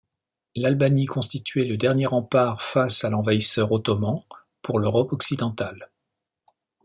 L’Albanie constituait le dernier rempart face à l’envahisseur ottoman pour l’Europe occidentale.